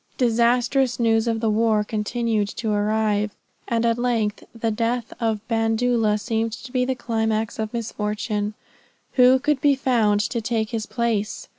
Disastrous news of the war continued to arrive, and at length the death of Bandoola seemed to be the climax of misfortune. Who could be found to take his place?